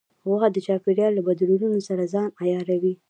غوا د چاپېریال له بدلونونو سره ځان عیاروي.